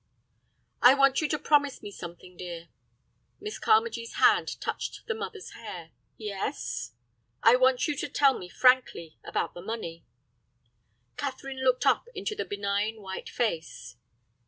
"I want you to promise me something, dear." Miss Carmagee's hand touched the mother's hair. "Yes?" "I want you to tell me frankly—about the money." Catherine looked up into the benign, white face.